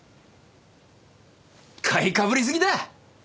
買いかぶりすぎだ！